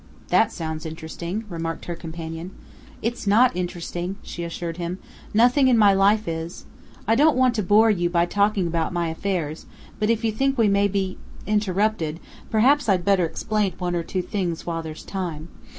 "That sounds interesting," remarked her companion. "It's not interesting!" she assured him. "Nothing in my life is. I don't want to bore you by talking about my affairs, but if you think we may be interrupted, perhaps, I'd better explain one or two things while there's time.